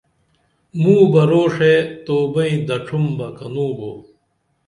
موں بہ روݜے تو بئں دڇُم بہ کنوں بو